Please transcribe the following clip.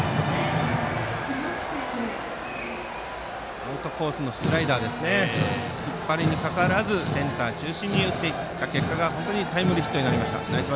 アウトコースのスライダーを引っ張りにかからずセンター中心に打っていった結果が本当にタイムリーヒットになりました。